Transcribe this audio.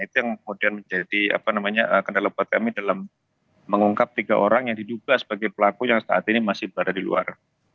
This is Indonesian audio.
itu yang kemudian menjadi kendala buat kami dalam mengungkap tiga orang yang diduga sebagai pelaku yang saat ini masih berada di luar